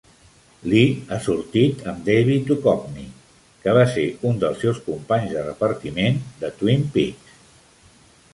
Lee ha sortit amb David Duchovny, que va ser un dels seus companys de repartiment de "Twin Peaks".